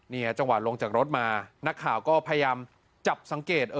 จังหวะลงจากรถมานักข่าวก็พยายามจับสังเกต